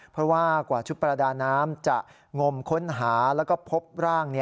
เพราะว่ากว่าชุดประดาน้ำจะงมค้นหาแล้วก็พบร่าง